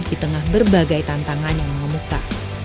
di tengah berbagai tantangan yang mengemuka